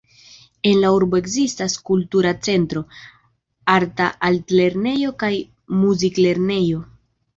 En la urbo ekzistas kultura centro, arta altlernejo kaj muziklernejo.